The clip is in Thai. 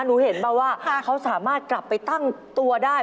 เห็นมาว่าเขาสามารถกลับไปตั้งตัวได้